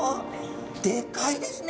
でかいですね！